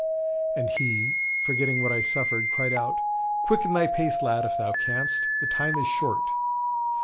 And he, forgetting what I suffered, cried out, 'Quicken thy pace, lad, if thou canst, the time is short.'